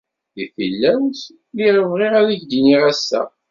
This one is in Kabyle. Di tilawt, lliɣ bɣiɣ ad k-d-iniɣ assa.